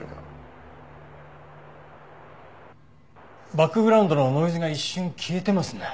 バックグラウンドのノイズが一瞬消えてますね。